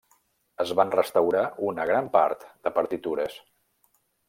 Es van restaurar una gran part de partitures.